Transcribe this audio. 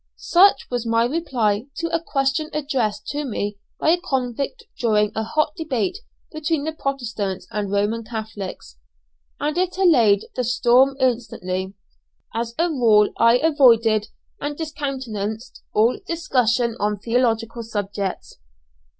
Such was my reply to a question addressed to me by a convict during a hot debate between the Protestants and Roman Catholics, and it allayed the storm instantly. As a rule I avoided and discountenanced all discussion on theological subjects.